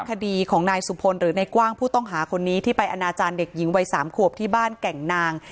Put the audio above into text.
คดีของนายสุพลหรือในกว้างผู้ต้องหาคนนี้ที่ไปอนาจารย์เด็กหญิงวัย๓ขวบที่บ้านแก่งนาง